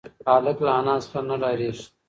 هلک له انا څخه نه ډارېږي.